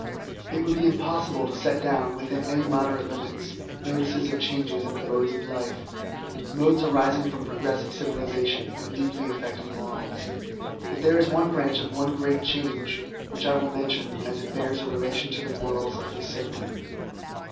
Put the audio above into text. It would be impossible to set down, within any moderate limits, notices of changes in the Modes of life, — modes arising from progressive civilisa tion, and de^ly affecting morals ;— ^but there is one branch of one great change, which I will mention, as it bears a relation to the morals of the sick room.